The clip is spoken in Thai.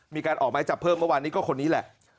มีการออกไม้จับเพิ่มเมื่อวานนี้ก็คนนี้แหละ